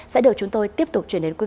sẽ được chúng tôi tiếp tục truyền đến quý vị